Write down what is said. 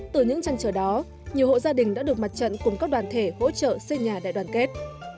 từ những trăn trở đó nhiều hộ gia đình đã được mặt trận cùng các đoàn thể hỗ trợ xây nhà đại đoàn kết